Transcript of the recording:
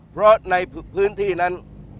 เพราะในพื้นที่นั้น